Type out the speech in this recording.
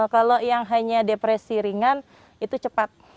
kalau yang hanya depresi ringan itu cepat